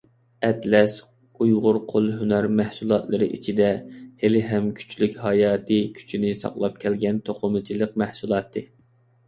ئەتلەس ئۇيغۇر قول ھۈنەر مەھسۇلاتلىرى ئىچىدە ھېلىھەم كۈچلۈك ھاياتىي كۈچىنى ساقلاپ كەلگەن توقۇمىچىلىق مەھسۇلاتى.